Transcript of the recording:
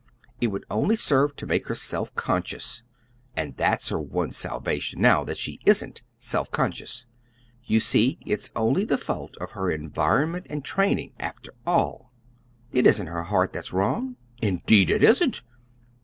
It would only serve to make her self conscious; and that's her one salvation now that she isn't self conscious. You see, it's only the fault of her environment and training, after all. It isn't her heart that's wrong." "Indeed it isn't!"